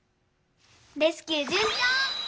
レスキューじゅんちょう！